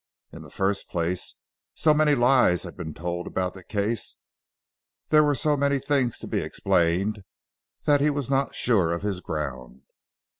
In the first place so many lies had been told about the Case, there were so many things to be explained, that he was not sure of his ground.